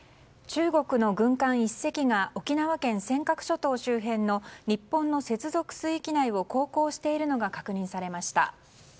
中国の軍艦１隻が沖縄県尖閣諸島周辺の日本の接続水域内を航行しているのが確認されました。